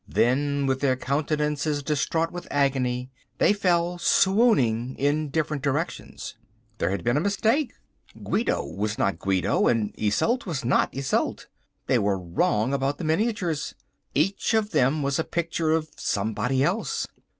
Then with their countenances distraught with agony they fell swooning in different directions. There had been a mistake! Guido was not Guido, and Isolde was not Isolde. They were wrong about the miniatures. Each of them was a picture of somebody else.